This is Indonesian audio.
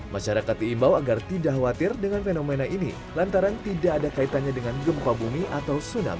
masyarakat diimbau agar tidak khawatir dengan fenomena ini lantaran tidak ada kaitannya dengan gempa bumi atau tsunami